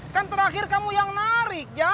kan terakhir kamu yang narik